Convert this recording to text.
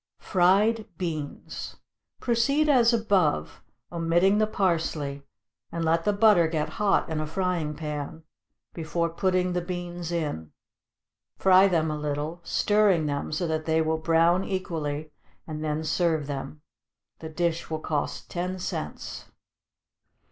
=Fried Beans.= Proceed as above, omitting the parsley, and letting the butter get hot in a frying pan, before putting the beans in; fry them a little, stirring them so that they will brown equally, and then serve them. The dish will cost ten cents.